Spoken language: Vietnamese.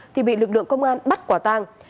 thì bị lực lượng công an bắt quả tàng